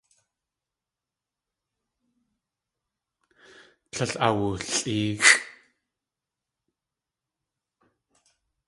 Tlél awulʼéexʼ.